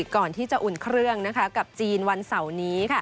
ก่อนที่จะอุ่นเครื่องกับจีนวันเสาร์นี้